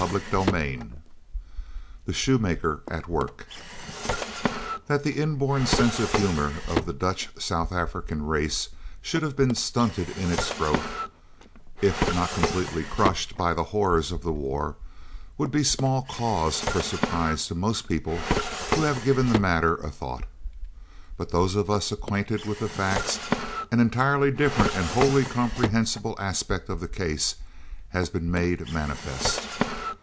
CHAPTER XXV THE SHOEMAKER AT WORK That the inborn sense of humour of the Dutch South African race should have been stunted in its growth, if not completely crushed, by the horrors of the war, would be small cause for surprise to most people who have given the matter a thought. But to those of us acquainted with the facts, an entirely different and wholly comprehensible aspect of the case has been made manifest.